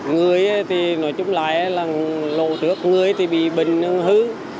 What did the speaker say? người thì nói chung là lô thước người thì bị bình hư